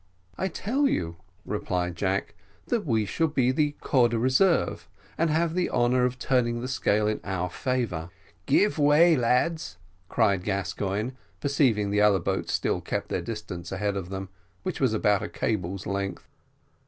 "I tell you," replied Jack, "we shall be the corps de reserve, and have the honour of turning the scale in our favour." "Give way, my lads," cried Gascoigne, perceiving the other boats still kept their distance ahead of them, which was about a cable's length.